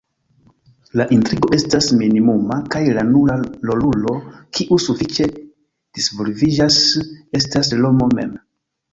La intrigo estas minimuma, kaj la nura "rolulo" kiu sufiĉe disvolviĝas estas Romo mem.